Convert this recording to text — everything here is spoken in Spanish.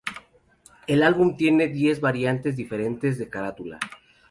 El álbum tiene diez variantes diferentes de carátula.